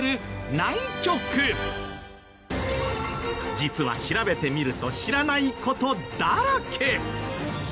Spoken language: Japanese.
実は調べてみると知らない事だらけ。